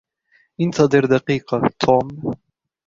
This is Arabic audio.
إنتظر دقيقة, توم!